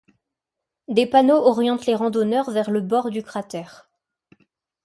Des panneaux orientent les randonneurs vers le bord du cratère.